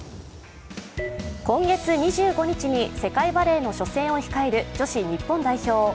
今月２５日に世界バレーの初戦を控える女子日本代表。